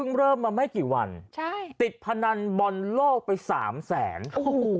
เริ่มมาไม่กี่วันใช่ติดพนันบอลโลกไปสามแสนโอ้โห